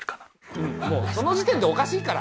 うんもうその時点でおかしいから。